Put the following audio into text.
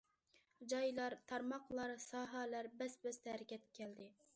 جايلار، تارماقلار، ساھەلەر بەس- بەستە ھەرىكەتكە كەلدى.